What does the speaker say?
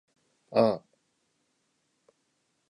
あー。